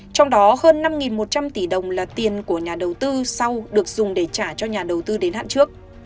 trong đó hơn năm một trăm linh tỷ đồng là tiền của nhà đầu tư sau được dùng để trả cho nhà đầu tư đến hạn trước